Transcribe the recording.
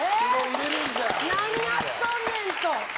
何やっとんねんと。